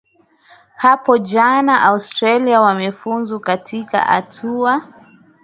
na hapo jana australia wamefunzu katika hatua